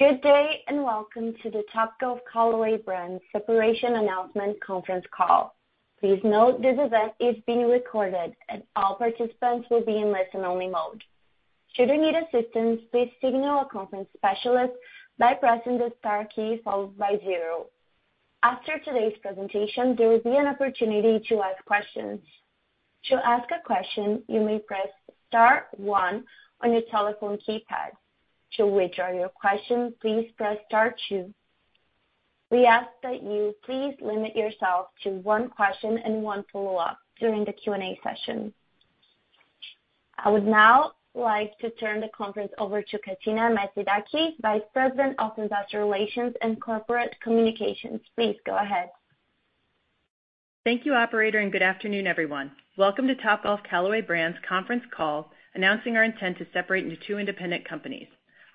Good day, and welcome to the Topgolf Callaway Brands Separation Announcement Conference Call. Please note this event is being recorded, and all participants will be in listen-only mode. Should you need assistance, please signal a conference specialist by pressing the star key followed by zero. After today's presentation, there will be an opportunity to ask questions. To ask a question, you may press star one on your telephone keypad. To withdraw your question, please press star two. We ask that you please limit yourself to one question and one follow-up during the Q&A session. I would now like to turn the conference over to Katina Metzidakis, Vice President of Investor Relations and Corporate Communications. Please go ahead. Thank you, operator, and good afternoon, everyone. Welcome to Topgolf Callaway Brands conference call, announcing our intent to separate into two independent companies.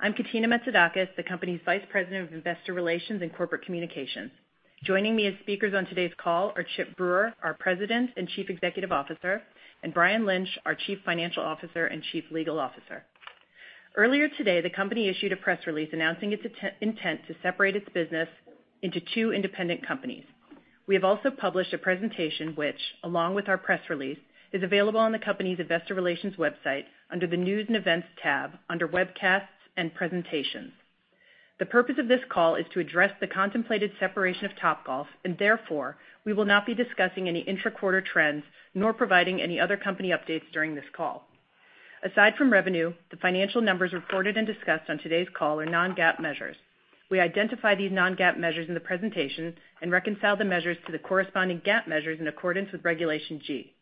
I'm Katina Metzidakis, the company's Vice President of Investor Relations and Corporate Communications. Joining me as speakers on today's call are Chip Brewer, our President and Chief Executive Officer, and Brian Lynch, our Chief Financial Officer and Chief Legal Officer. Earlier today, the company issued a press release announcing its intent to separate its business into two independent companies. We have also published a presentation, which, along with our press release, is available on the company's investor relations website under the News and Events tab, under Webcasts and Presentations. The purpose of this call is to address the contemplated separation of Topgolf, and therefore, we will not be discussing any intra-quarter trends nor providing any other company updates during this call. Aside from revenue, the financial numbers reported and discussed on today's call are non-GAAP measures. We identify these non-GAAP measures in the presentation and reconcile the measures to the corresponding GAAP measures in accordance with Regulation G.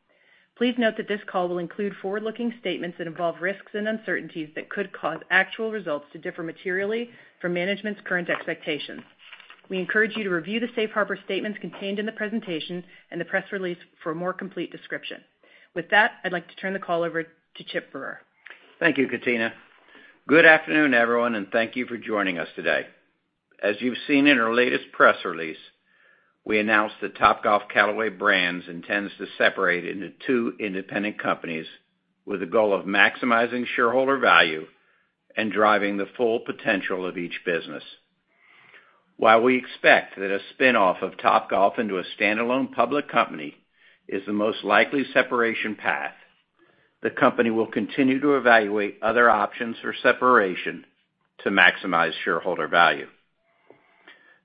Please note that this call will include forward-looking statements that involve risks and uncertainties that could cause actual results to differ materially from management's current expectations. We encourage you to review the safe harbor statements contained in the presentation and the press release for a more complete description. With that, I'd like to turn the call over to Chip Brewer. Thank you, Katina. Good afternoon, everyone, and thank you for joining us today. As you've seen in our latest press release, we announced that Topgolf Callaway Brands intends to separate into two independent companies with the goal of maximizing shareholder value and driving the full potential of each business. While we expect that a spin-off of Topgolf into a standalone public company is the most likely separation path, the company will continue to evaluate other options for separation to maximize shareholder value.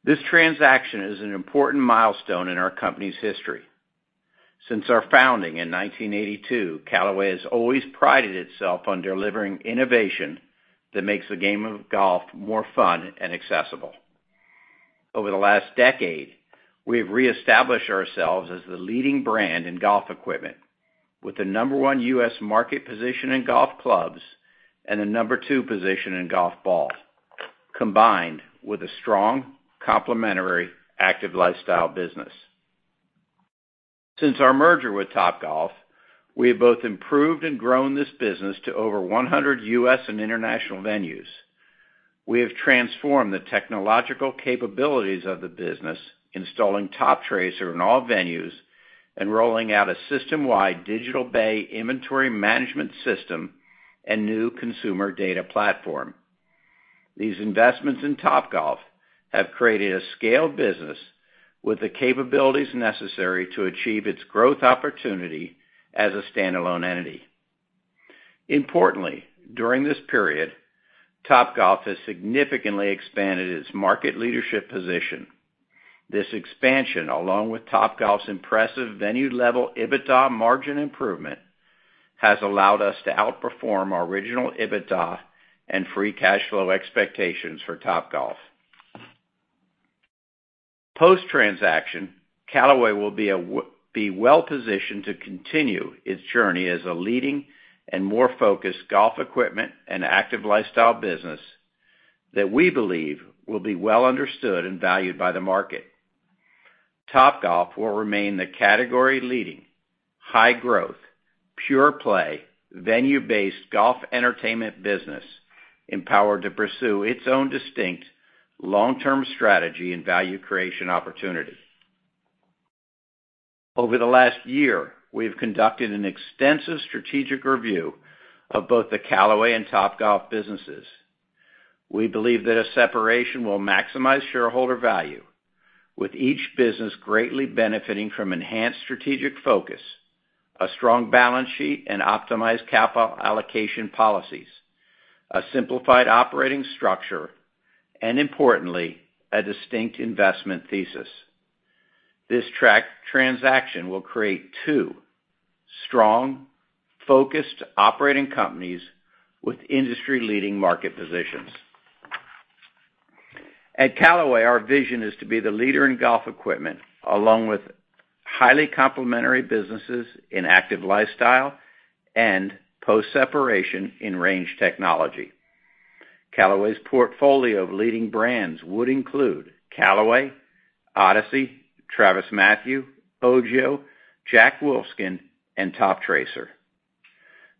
This transaction is an important milestone in our company's history. Since our founding in 1982, Callaway has always prided itself on delivering innovation that makes the game of golf more fun and accessible. Over the last decade, we have reestablished ourselves as the leading brand in golf equipment, with the number one U.S. market position in golf clubs and the number two position in golf balls, combined with a strong, complementary active lifestyle business. Since our merger with Topgolf, we have both improved and grown this business to over 100 U.S. and international venues. We have transformed the technological capabilities of the business, installing Toptracer in all venues and rolling out a system-wide digital bay inventory management system and new consumer data platform. These investments in Topgolf have created a scaled business with the capabilities necessary to achieve its growth opportunity as a standalone entity. Importantly, during this period, Topgolf has significantly expanded its market leadership position. This expansion, along with Topgolf's impressive venue-level EBITDA margin improvement, has allowed us to outperform our original EBITDA and free cash flow expectations for Topgolf. Post-transaction, Callaway will be well-positioned to continue its journey as a leading and more focused golf equipment and active lifestyle business that we believe will be well understood and valued by the market. Topgolf will remain the category-leading, high-growth, pure-play, venue-based golf entertainment business, empowered to pursue its own distinct long-term strategy and value creation opportunity. Over the last year, we have conducted an extensive strategic review of both the Callaway and Topgolf businesses. We believe that a separation will maximize shareholder value, with each business greatly benefiting from enhanced strategic focus, a strong balance sheet and optimized capital allocation policies, a simplified operating structure, and importantly, a distinct investment thesis. This transaction will create two strong, focused operating companies with industry-leading market positions. At Callaway, our vision is to be the leader in golf equipment, along with highly complementary businesses in active lifestyle and post-separation in range technology. Callaway's portfolio of leading brands would include Callaway, Odyssey, TravisMathew, OGIO, Jack Wolfskin, and Toptracer.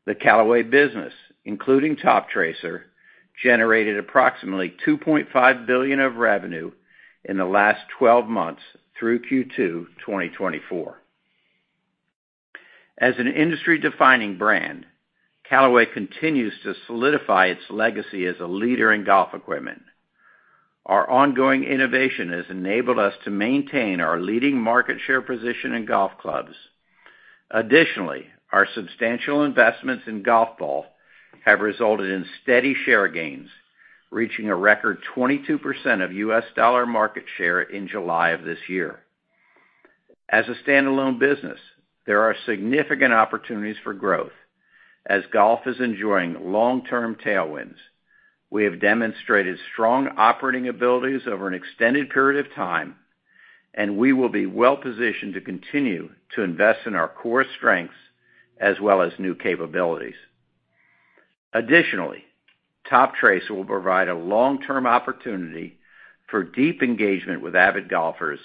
The Callaway business, including Toptracer, generated approximately $2.5 billion of revenue in the last 12 months through Q2 2024. As an industry-defining brand, Callaway continues to solidify its legacy as a leader in golf equipment. Our ongoing innovation has enabled us to maintain our leading market share position in golf clubs. Additionally, our substantial investments in golf ball have resulted in steady share gains, reaching a record 22% of U.S. dollar market share in July of this year. As a standalone business, there are significant opportunities for growth. As golf is enjoying long-term tailwinds, we have demonstrated strong operating abilities over an extended period of time, and we will be well-positioned to continue to invest in our core strengths as well as new capabilities. Additionally, Toptracer will provide a long-term opportunity for deep engagement with avid golfers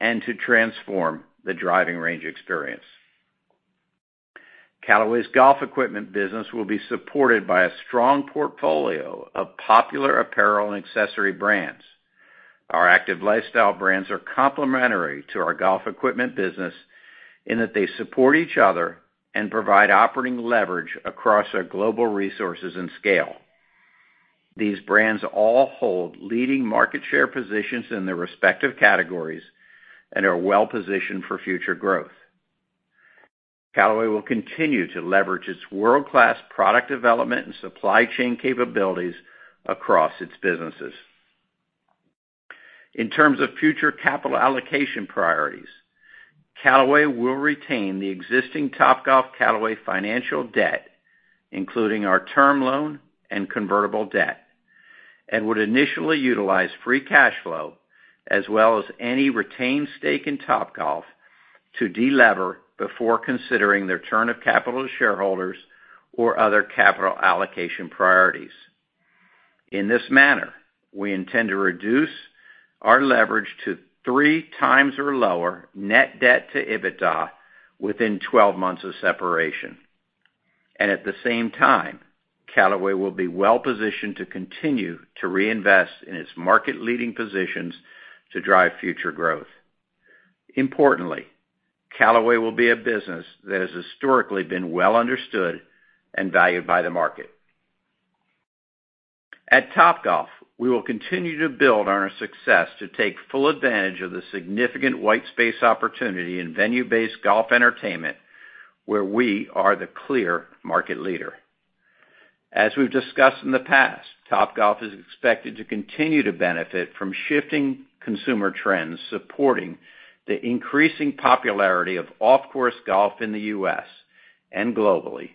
and to transform the driving range experience. Callaway's golf equipment business will be supported by a strong portfolio of popular apparel and accessory brands. Our active lifestyle brands are complementary to our golf equipment business in that they support each other and provide operating leverage across our global resources and scale. These brands all hold leading market share positions in their respective categories and are well-positioned for future growth. Callaway will continue to leverage its world-class product development and supply chain capabilities across its businesses. In terms of future capital allocation priorities, Callaway will retain the existing Topgolf Callaway financial debt, including our term loan and convertible debt, and would initially utilize free cash flow, as well as any retained stake in Topgolf, to delever before considering the return of capital to shareholders or other capital allocation priorities. In this manner, we intend to reduce our leverage to three times or lower net debt to EBITDA within 12 months of separation, and at the same time, Callaway will be well-positioned to continue to reinvest in its market-leading positions to drive future growth. Importantly, Callaway will be a business that has historically been well understood and valued by the market. At Topgolf, we will continue to build on our success to take full advantage of the significant white space opportunity in venue-based golf entertainment, where we are the clear market leader. As we've discussed in the past, Topgolf is expected to continue to benefit from shifting consumer trends, supporting the increasing popularity of off-course golf in the U.S. and globally.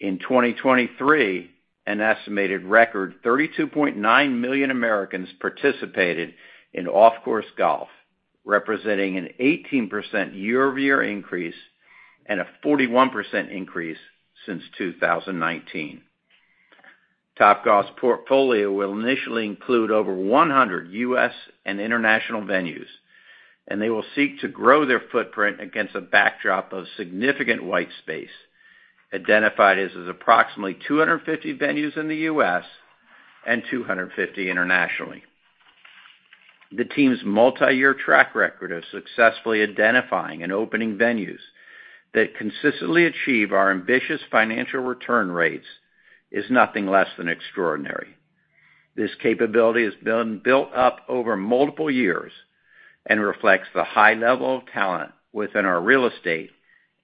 In 2023, an estimated record 32.9 million Americans participated in off-course golf, representing an 18% year-over-year increase and a 41% increase since 2019. Topgolf's portfolio will initially include over 100 U.S. and international venues, and they will seek to grow their footprint against a backdrop of significant white space, identified as approximately 250 venues in the U.S. and 250 internationally. The team's multiyear track record of successfully identifying and opening venues that consistently achieve our ambitious financial return rates is nothing less than extraordinary. This capability has been built up over multiple years and reflects the high level of talent within our real estate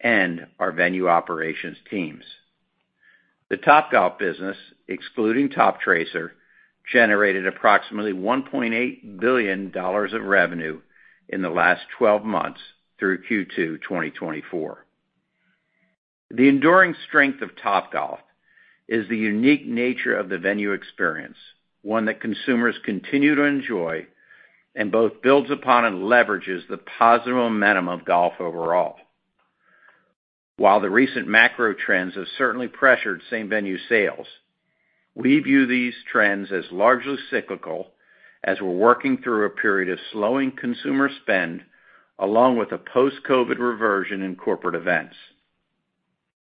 and our venue operations teams. The Topgolf business, excluding Toptracer, generated approximately $1.8 billion of revenue in the last 12 months through Q2 2024. The enduring strength of Topgolf is the unique nature of the venue experience, one that consumers continue to enjoy and both builds upon and leverages the positive momentum of golf overall. While the recent macro trends have certainly pressured same-venue sales, we view these trends as largely cyclical as we're working through a period of slowing consumer spend, along with a post-COVID reversion in corporate events.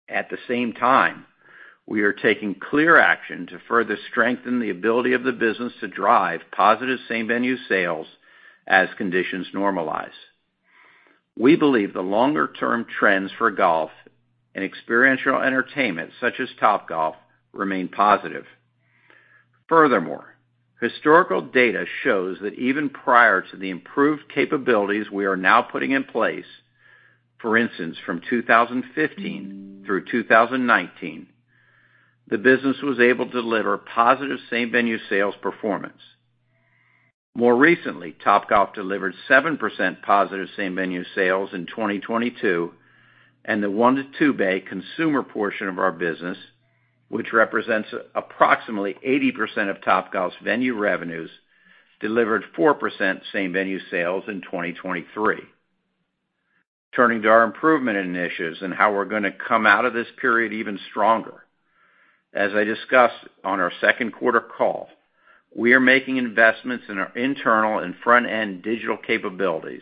At the same time, we are taking clear action to further strengthen the ability of the business to drive positive same-venue sales as conditions normalize. We believe the longer-term trends for golf and experiential entertainment, such as Topgolf, remain positive. Furthermore, historical data shows that even prior to the improved capabilities we are now putting in place, for instance, from 2015 through 2019, the business was able to deliver positive same-venue sales performance. More recently, Topgolf delivered 7% positive same-venue sales in 2022, and the one- to two-bay consumer portion of our business, which represents approximately 80% of Topgolf's venue revenues, delivered 4% same-venue sales in 2023. Turning to our improvement initiatives and how we're gonna come out of this period even stronger. As I discussed on our second quarter call, we are making investments in our internal and front-end digital capabilities,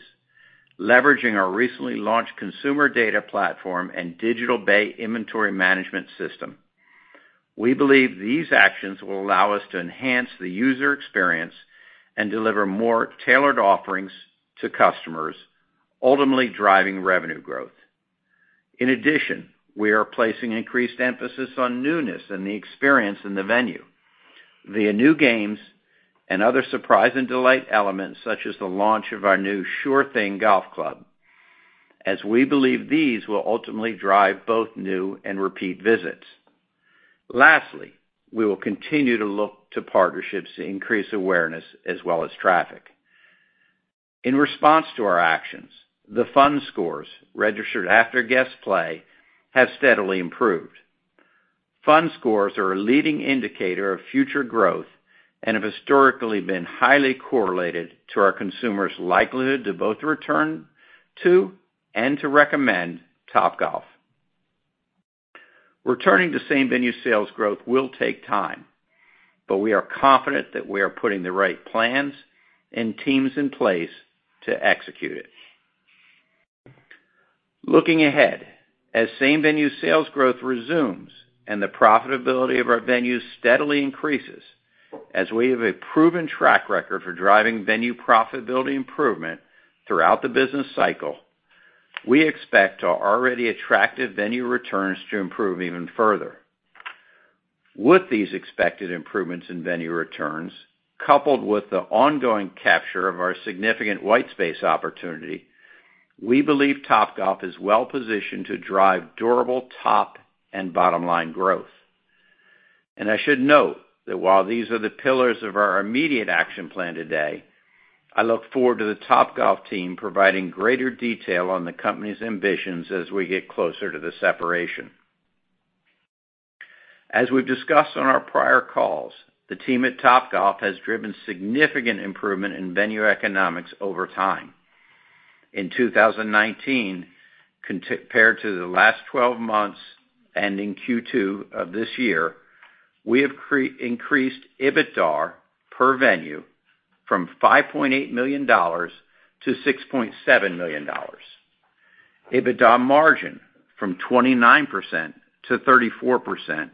leveraging our recently launched consumer data platform and digital bay inventory management system.... We believe these actions will allow us to enhance the user experience and deliver more tailored offerings to customers, ultimately driving revenue growth. In addition, we are placing increased emphasis on newness and the experience in the venue via new games and other surprise and delight elements, such as the launch of our new Sure Thing golf club, as we believe these will ultimately drive both new and repeat visits. Lastly, we will continue to look to partnerships to increase awareness as well as traffic. In response to our actions, the Fun Scores registered after guests play have steadily improved. Fun Scores are a leading indicator of future growth and have historically been highly correlated to our consumers' likelihood to both return to and to recommend Topgolf. Returning to same-venue sales growth will take time, but we are confident that we are putting the right plans and teams in place to execute it. Looking ahead, as same-venue sales growth resumes and the profitability of our venues steadily increases, as we have a proven track record for driving venue profitability improvement throughout the business cycle, we expect our already attractive venue returns to improve even further. With these expected improvements in venue returns, coupled with the ongoing capture of our significant white space opportunity, we believe Topgolf is well positioned to drive durable top and bottom-line growth. And I should note that while these are the pillars of our immediate action plan today, I look forward to the Topgolf team providing greater detail on the company's ambitions as we get closer to the separation. As we've discussed on our prior calls, the team at Topgolf has driven significant improvement in venue economics over time. In 2019, compared to the last 12 months, ending Q2 of this year, we have increased EBITDA per venue from $5.8 million to $6.7 million. EBITDA margin from 29% to 34%,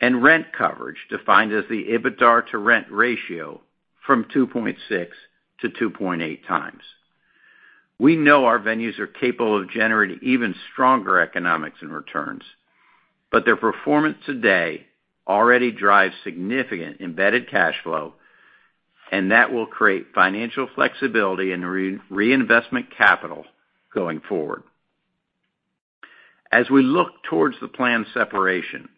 and rent coverage, defined as the EBITDA to rent ratio from 2.6 to 2.8 times. We know our venues are capable of generating even stronger economics and returns, but their performance today already drives significant embedded cash flow, and that will create financial flexibility and reinvestment capital going forward. As we look towards the planned separation,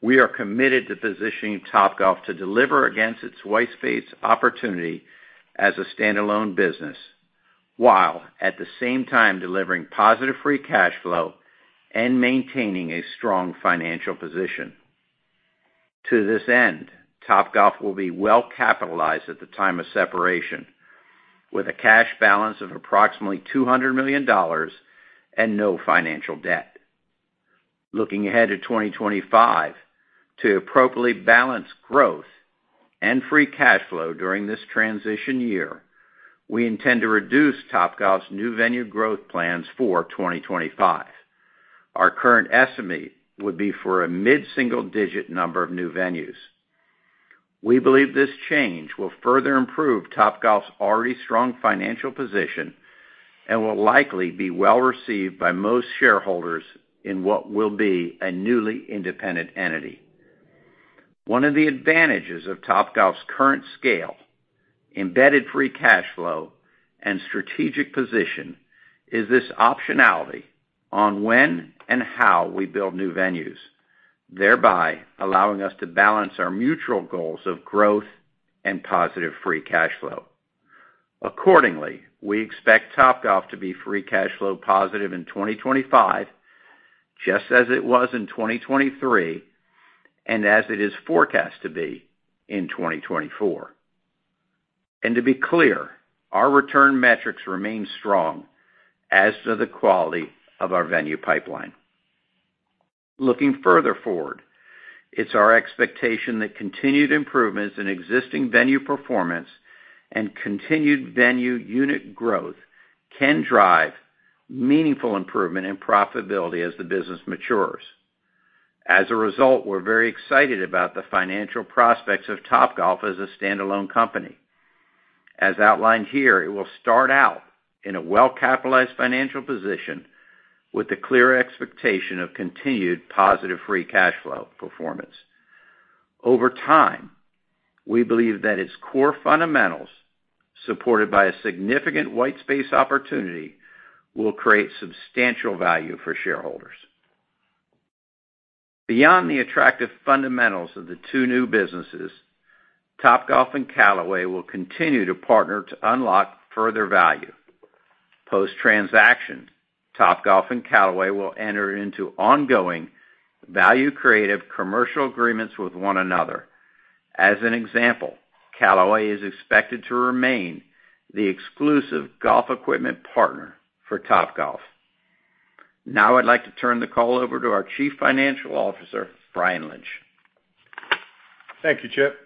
we are committed to positioning Topgolf to deliver against its white space opportunity as a standalone business, while at the same time delivering positive free cash flow and maintaining a strong financial position. To this end, Topgolf will be well capitalized at the time of separation, with a cash balance of approximately $200 million and no financial debt. Looking ahead to 2025, to appropriately balance growth and free cash flow during this transition year, we intend to reduce Topgolf's new venue growth plans for 2025. Our current estimate would be for a mid-single-digit number of new venues. We believe this change will further improve Topgolf's already strong financial position and will likely be well received by most shareholders in what will be a newly independent entity. One of the advantages of Topgolf's current scale, embedded free cash flow, and strategic position is this optionality on when and how we build new venues, thereby allowing us to balance our mutual goals of growth and positive free cash flow. Accordingly, we expect Topgolf to be free cash flow positive in 2025, just as it was in 2023, and as it is forecast to be in 2024. And to be clear, our return metrics remain strong as to the quality of our venue pipeline. Looking further forward, it's our expectation that continued improvements in existing venue performance and continued venue unit growth can drive meaningful improvement in profitability as the business matures. As a result, we're very excited about the financial prospects of Topgolf as a standalone company. As outlined here, it will start out in a well-capitalized financial position with the clear expectation of continued positive free cash flow performance. Over time, we believe that its core fundamentals, supported by a significant white space opportunity, will create substantial value for shareholders. Beyond the attractive fundamentals of the two new businesses, Topgolf and Callaway will continue to partner to unlock further value. Post-transaction, Topgolf and Callaway will enter into ongoing value creative commercial agreements with one another. As an example, Callaway is expected to remain the exclusive golf equipment partner for Topgolf. Now I'd like to turn the call over to our Chief Financial Officer, Brian Lynch.... Thank you, Chip.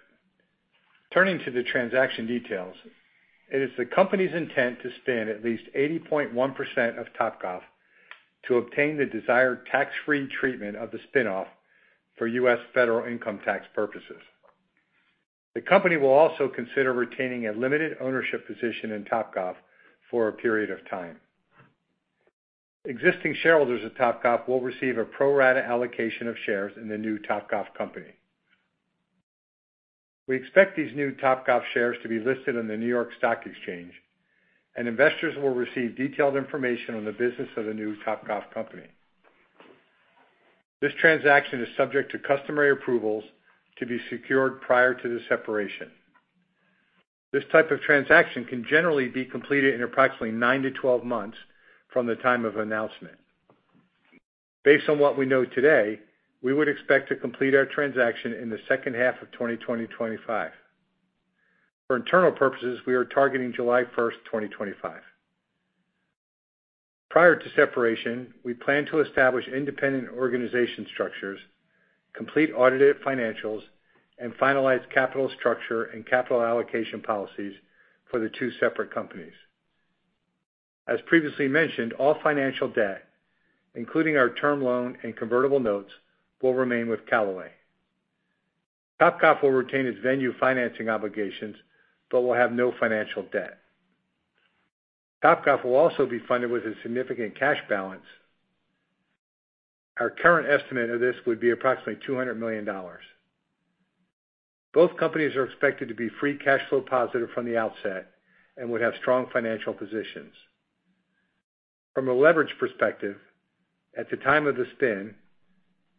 Turning to the transaction details, it is the company's intent to spin off at least 80.1% of Topgolf to obtain the desired tax-free treatment of the spin-off for U.S. federal income tax purposes. The company will also consider retaining a limited ownership position in Topgolf for a period of time. Existing shareholders of Topgolf will receive a pro rata allocation of shares in the new Topgolf company. We expect these new Topgolf shares to be listed on the New York Stock Exchange, and investors will receive detailed information on the business of the new Topgolf company. This transaction is subject to customary approvals to be secured prior to the separation. This type of transaction can generally be completed in approximately 9 to 12 months from the time of announcement. Based on what we know today, we would expect to complete our transaction in the second half of 2025. For internal purposes, we are targeting July 1st, 2025. Prior to separation, we plan to establish independent organizational structures, complete audited financials, and finalize capital structure and capital allocation policies for the two separate companies. As previously mentioned, all financial debt, including our term loan and convertible notes, will remain with Callaway. Topgolf will retain its venue financing obligations, but will have no financial debt. Topgolf will also be funded with a significant cash balance. Our current estimate of this would be approximately $200 million. Both companies are expected to be free cash flow positive from the outset and would have strong financial positions. From a leverage perspective, at the time of the spin,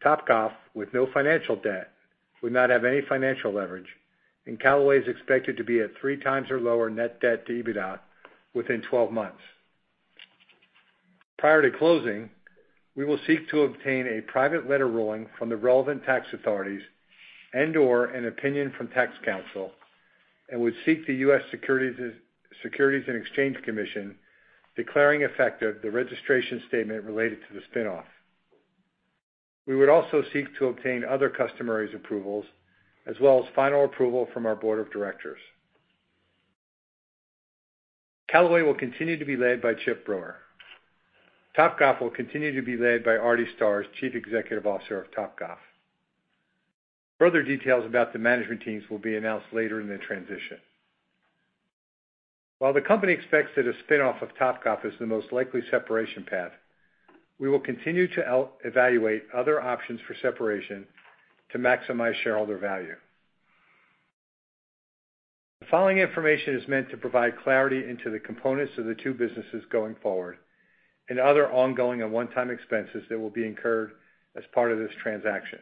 Topgolf, with no financial debt, would not have any financial leverage, and Callaway is expected to be at three times or lower net debt to EBITDA within 12 months. Prior to closing, we will seek to obtain a private letter ruling from the relevant tax authorities and/or an opinion from tax counsel, and would seek the U.S. Securities and Exchange Commission declaring effective the registration statement related to the spin-off. We would also seek to obtain other customary approvals, as well as final approval from our board of directors. Callaway will continue to be led by Chip Brewer. Topgolf will continue to be led by Artie Starrs as Chief Executive Officer of Topgolf. Further details about the management teams will be announced later in the transition. While the company expects that a spin-off of Topgolf is the most likely separation path, we will continue to evaluate other options for separation to maximize shareholder value. The following information is meant to provide clarity into the components of the two businesses going forward and other ongoing and one-time expenses that will be incurred as part of this transaction.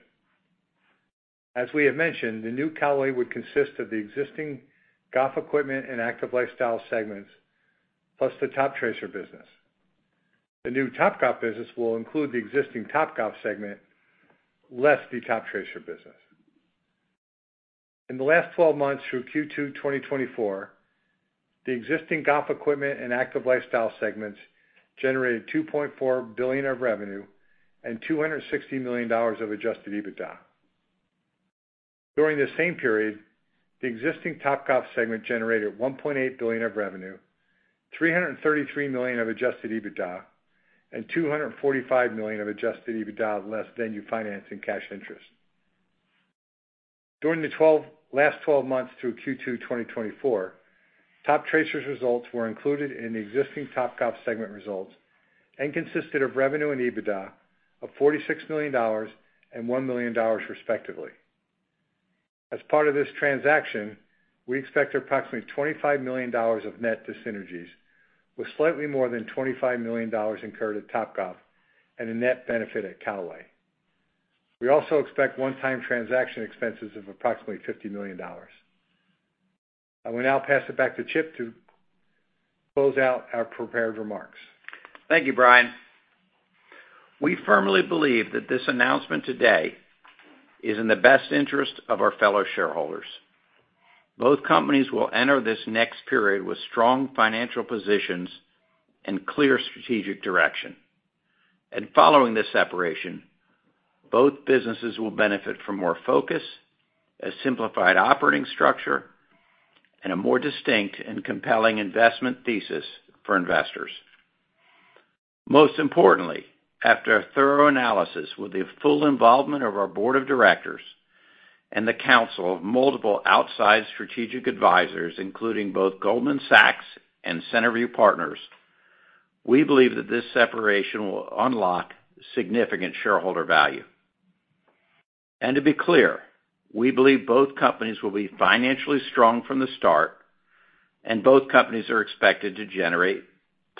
As we have mentioned, the new Callaway would consist of the existing golf equipment and active lifestyle segments, plus the Toptracer business. The new Topgolf business will include the existing Topgolf segment, less the Toptracer business. In the last 12 months through Q2 2024, the existing golf equipment and active lifestyle segments generated $2.4 billion of revenue and $260 million of adjusted EBITDA. During the same period, the existing Topgolf segment generated $1.8 billion of revenue, $333 million of adjusted EBITDA, and $245 million of adjusted EBITDA, less venue financing cash interest. During the last 12 months through Q2 2024, Toptracer's results were included in the existing Topgolf segment results and consisted of revenue and EBITDA of $46 million and $1 million, respectively. As part of this transaction, we expect approximately $25 million of net dis-synergies, with slightly more than $25 million incurred at Topgolf and a net benefit at Callaway. We also expect one-time transaction expenses of approximately $50 million. I will now pass it back to Chip to close out our prepared remarks. Thank you, Brian. We firmly believe that this announcement today is in the best interest of our fellow shareholders. Both companies will enter this next period with strong financial positions and clear strategic direction. And following this separation, both businesses will benefit from more focus, a simplified operating structure, and a more distinct and compelling investment thesis for investors. Most importantly, after a thorough analysis with the full involvement of our board of directors and the counsel of multiple outside strategic advisors, including both Goldman Sachs and Centerview Partners, we believe that this separation will unlock significant shareholder value. And to be clear, we believe both companies will be financially strong from the start, and both companies are expected to generate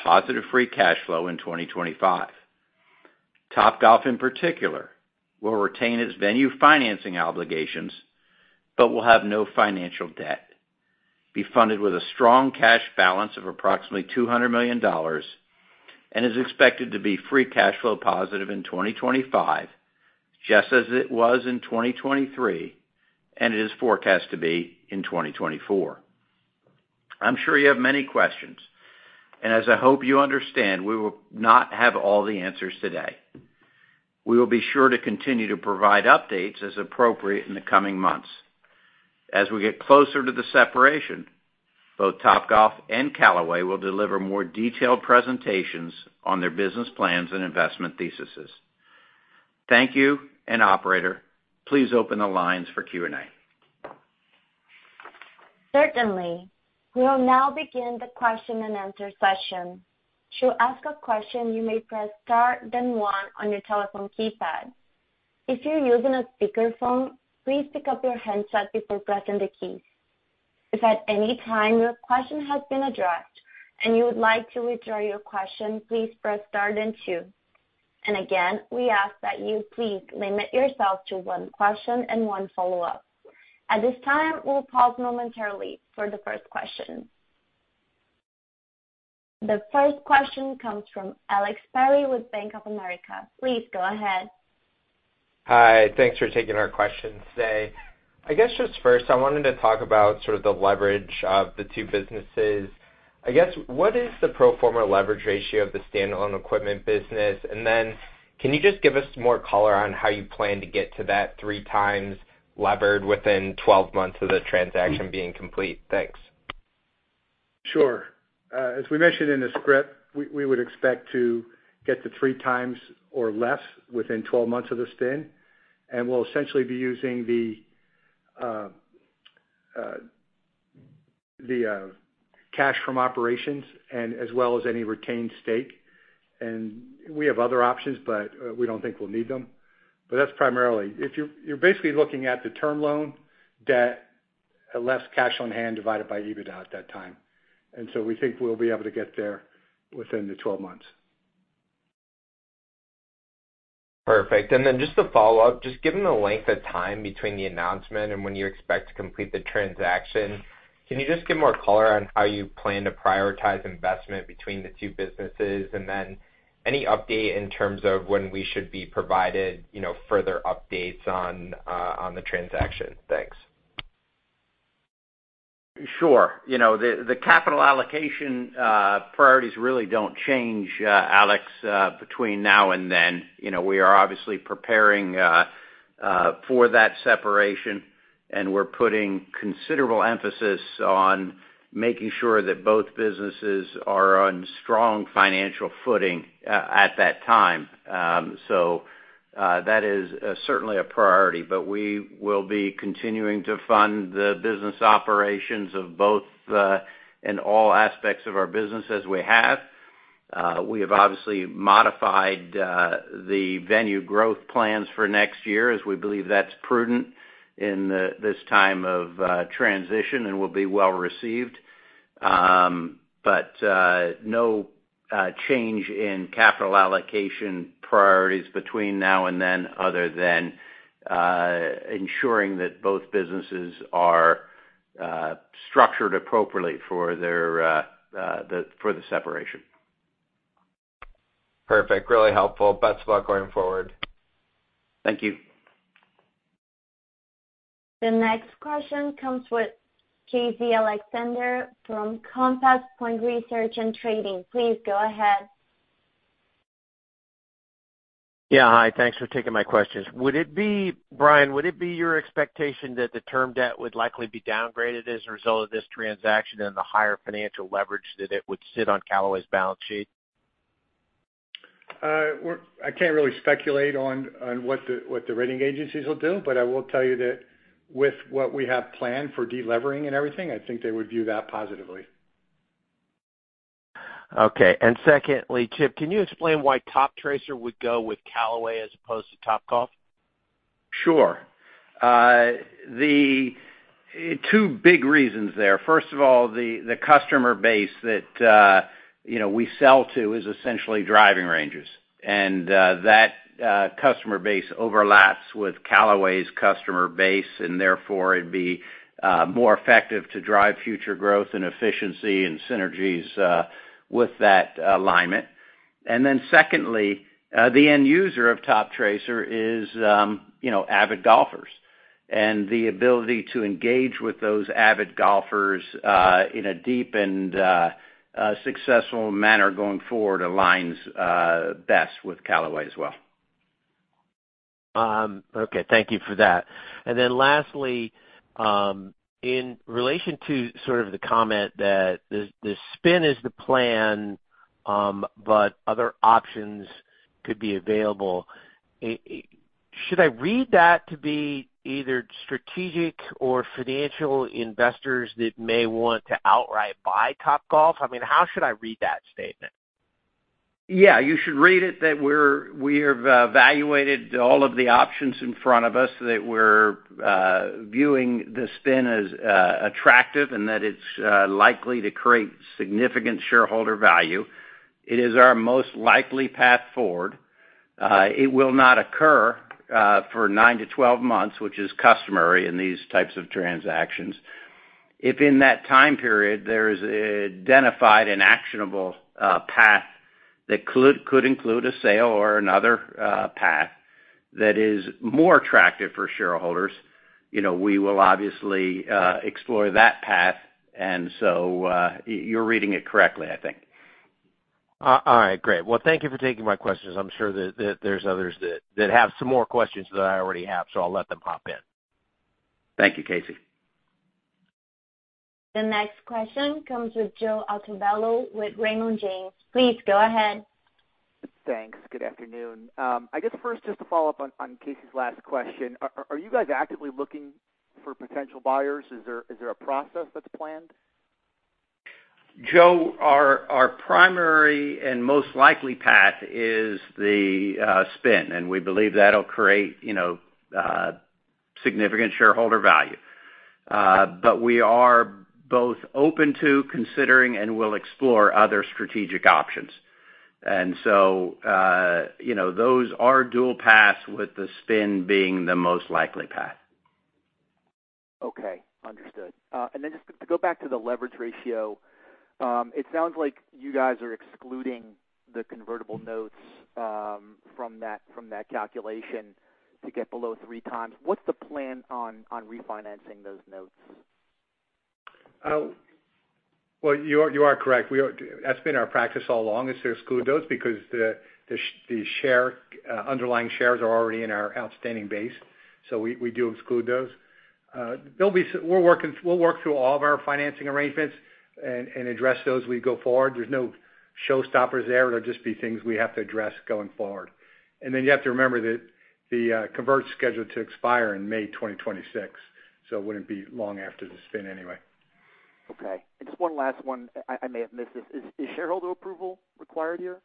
positive free cash flow in 2025. Topgolf, in particular, will retain its venue financing obligations, but will have no financial debt, be funded with a strong cash balance of approximately $200 million, and is expected to be free cash flow positive in 2025, just as it was in 2023, and it is forecast to be in 2024. I'm sure you have many questions, and as I hope you understand, we will not have all the answers today. We will be sure to continue to provide updates as appropriate in the coming months. As we get closer to the separation, both Topgolf and Callaway will deliver more detailed presentations on their business plans and investment theses. Thank you, and operator, please open the lines for Q&A. Certainly. We will now begin the question-and-answer session. To ask a question, you may press star, then one on your telephone keypad. If you're using a speakerphone, please pick up your handset before pressing the keys. If at any time your question has been addressed and you would like to withdraw your question, please press star then two. And again, we ask that you please limit yourself to one question and one follow-up. At this time, we'll pause momentarily for the first question. The first question comes from Alex Perry with Bank of America. Please go ahead. Hi, thanks for taking our questions today. I guess, just first, I wanted to talk about sort of the leverage of the two businesses. I guess, what is the pro forma leverage ratio of the standalone equipment business? And then can you just give us more color on how you plan to get to that three times levered within 12 months of the transaction being complete? Thanks. Sure. As we mentioned in the script, we would expect to get to three times or less within 12 months of the spin, and we'll essentially be using the cash from operations and as well as any retained stake. We have other options, but we don't think we'll need them. That's primarily. If you're basically looking at the term loan debt, less cash on hand, divided by EBITDA at that time. We think we'll be able to get there within the 12 months. Perfect. And then just to follow up, just given the length of time between the announcement and when you expect to complete the transaction, can you just give more color on how you plan to prioritize investment between the two businesses? And then any update in terms of when we should be provided, you know, further updates on, on the transaction? Thanks. Sure. You know, the capital allocation priorities really don't change, Alex, between now and then. You know, we are obviously preparing for that separation, and we're putting considerable emphasis on making sure that both businesses are on strong financial footing at that time, so that is certainly a priority, but we will be continuing to fund the business operations of both in all aspects of our business as we have. We have obviously modified the venue growth plans for next year, as we believe that's prudent in this time of transition and will be well received, but no change in capital allocation priorities between now and then, other than ensuring that both businesses are structured appropriately for the separation. Perfect. Really helpful. Best of luck going forward. Thank you. The next question comes with Casey Alexander from Compass Point Research & Trading. Please go ahead. Yeah. Hi, thanks for taking my questions. Would it be, Brian, would it be your expectation that the term debt would likely be downgraded as a result of this transaction and the higher financial leverage that it would sit on Callaway's balance sheet? I can't really speculate on what the rating agencies will do, but I will tell you that with what we have planned for delevering and everything, I think they would view that positively. Okay. And secondly, Chip, can you explain why Toptracer would go with Callaway as opposed to Topgolf? Sure. Two big reasons there. First of all, the customer base that you know we sell to is essentially driving ranges, and that customer base overlaps with Callaway's customer base, and therefore it'd be more effective to drive future growth and efficiency and synergies with that alignment. And then secondly, the end user of Toptracer is you know avid golfers. And the ability to engage with those avid golfers in a deep and successful manner going forward aligns best with Callaway as well. Okay. Thank you for that. And then lastly, in relation to sort of the comment that the spin is the plan, but other options could be available, should I read that to be either strategic or financial investors that may want to outright buy Topgolf? I mean, how should I read that statement? Yeah, you should read it that we have evaluated all of the options in front of us, that we're viewing the spin as attractive, and that it's likely to create significant shareholder value. It is our most likely path forward. It will not occur for 9 to 12 months, which is customary in these types of transactions. If in that time period, there is an identified and actionable path that could include a sale or another path that is more attractive for shareholders, you know, we will obviously explore that path. And so, you're reading it correctly, I think. All right, great. Well, thank you for taking my questions. I'm sure that there's others that have some more questions than I already have, so I'll let them hop in. Thank you, Casey. The next question comes with Joe Altobello with Raymond James. Please go ahead. Thanks. Good afternoon. I guess first, just to follow up on Casey's last question, are you guys actively looking for potential buyers? Is there a process that's planned? Joe, our primary and most likely path is the spin, and we believe that'll create, you know, significant shareholder value, but we are both open to considering and will explore other strategic options, and so, you know, those are dual paths with the spin being the most likely path. Okay, understood. And then just to go back to the leverage ratio, it sounds like you guys are excluding the convertible notes from that calculation to get below three times. What's the plan on refinancing those notes? Well, you are correct. That's been our practice all along, is to exclude those because the underlying shares are already in our outstanding base, so we do exclude those. We'll work through all of our financing arrangements and address those as we go forward. There's no showstoppers there. It'll just be things we have to address going forward. And then you have to remember that the convert is scheduled to expire in May 2026, so it wouldn't be long after the spin anyway. Okay. And just one last one. I may have missed this. Is shareholder approval required here?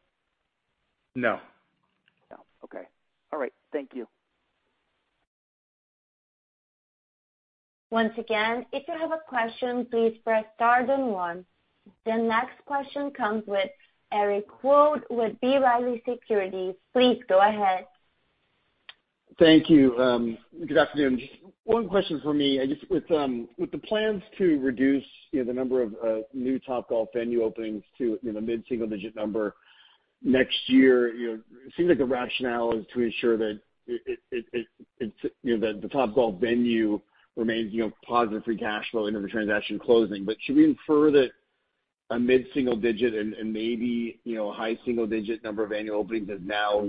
No. No. Okay. All right. Thank you. Once again, if you have a question, please press star then one. The next question comes with Eric Wold with B. Riley Securities. Please go ahead. Thank you. Good afternoon. Just one question for me. I just, with the plans to reduce, you know, the number of new Topgolf venue openings to, you know, mid-single digit number next year, you know, it seems like the rationale is to ensure that it's, you know, that the Topgolf venue remains, you know, positive free cash flow into the transaction closing, but should we infer that a mid-single digit and maybe, you know, a high single digit number of annual openings is now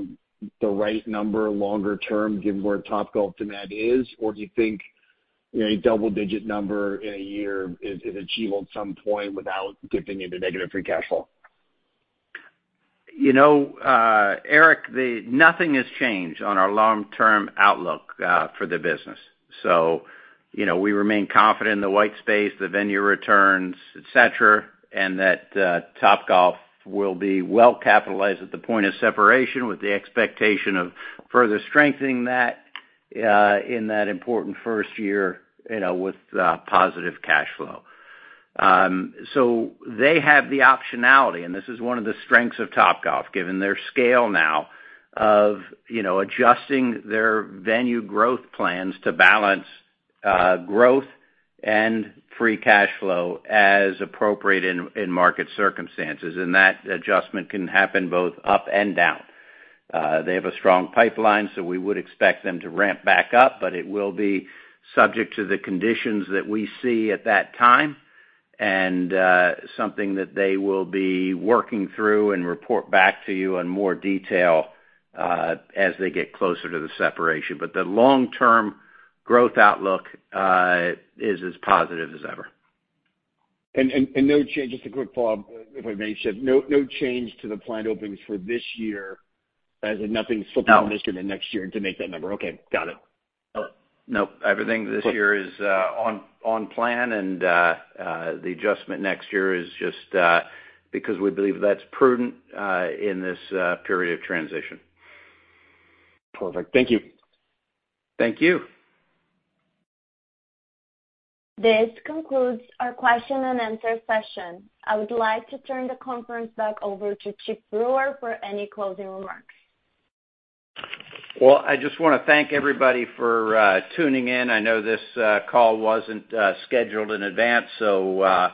the right number longer term, given where Topgolf demand is? Or do you think, you know, a double-digit number in a year is achievable at some point without dipping into negative free cash flow? You know, Eric, nothing has changed on our long-term outlook for the business. So, you know, we remain confident in the white space, the venue returns, et cetera, and that Topgolf will be well capitalized at the point of separation, with the expectation of further strengthening that in that important first year, you know, with positive cash flow. So they have the optionality, and this is one of the strengths of Topgolf, given their scale now of, you know, adjusting their venue growth plans to balance growth and free cash flow as appropriate in market circumstances. And that adjustment can happen both up and down. They have a strong pipeline, so we would expect them to ramp back up, but it will be subject to the conditions that we see at that time, and something that they will be working through and report back to you in more detail, as they get closer to the separation, but the long-term growth outlook is as positive as ever. Just a quick follow-up, if I may, Chip. No change to the planned openings for this year, as in nothing slipping- No... into next year to make that number? Okay. Got it. No. Everything this year is on plan, and the adjustment next year is just because we believe that's prudent in this period of transition. Perfect. Thank you. Thank you. This concludes our question and answer session. I would like to turn the conference back over to Chip Brewer for any closing remarks. I just want to thank everybody for tuning in. I know this call wasn't scheduled in advance, so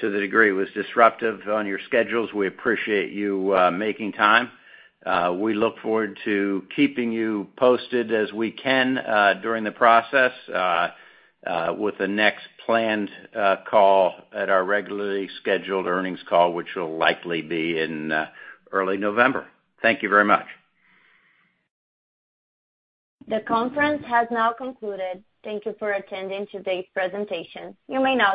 to the degree it was disruptive on your schedules, we appreciate you making time. We look forward to keeping you posted as we can during the process with the next planned call at our regularly scheduled earnings call, which will likely be in early November. Thank you very much. The conference has now concluded. Thank you for attending today's presentation. You may now disconnect.